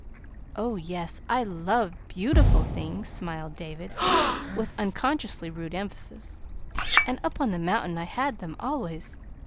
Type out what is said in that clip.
"Oh, yes, I love BEAUTIFUL things," smiled David, with unconsciously rude emphasis. "And up on the mountain I had them always.